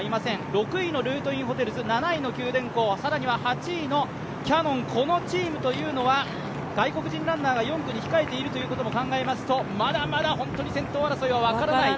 ６位のルートインホテルズ、７位の九電工、更には８位のキヤノン、このチームというのは外国人ランナーが４区に控えていることを考えますとまだまだ先頭争いは分からない。